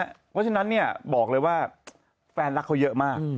เพราะฉะนั้นเนี่ยบอกเลยว่าแฟนรักเขาเยอะมาก